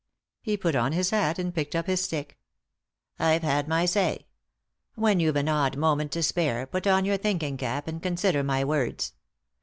He put on his hat and picked up his stick. " I've had my say. When you've an odd moment to spare, put on your thinking cap and consider my words.